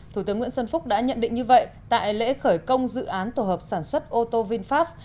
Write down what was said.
thủ tướng nguyễn xuân phúc đã nhận định như vậy tại lễ khởi công dự án tổ hợp sản xuất ô tô vinfast